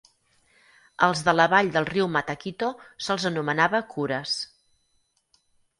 Als de la vall del riu Mataquito se'ls anomenava cures.